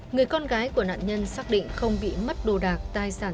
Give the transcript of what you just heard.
người con gái của nạn nhân xác định không bị mất đồ đạc tài sản